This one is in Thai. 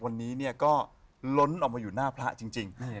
วันนี้เนี่ยก็ล้นออกมาอยู่หน้าพระจริง